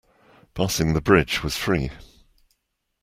Passing the bridge was free.